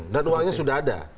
dan uangnya sudah ada